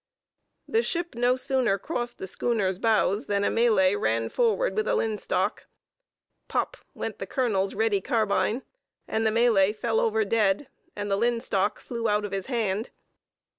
The ship no sooner crossed the schooner's bows than a Malay ran forward with a linstock. Pop went the colonel's ready carbine, and the Malay fell over dead, and the linstock flew out of his hand.